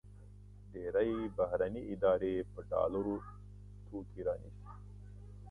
ډېری بهرني ادارې په ډالرو توکي رانیسي.